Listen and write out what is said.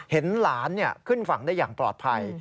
เห็นหลานขึ้นฝั่งได้อย่างปลอดภัย